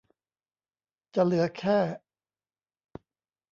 จะเหลือแค่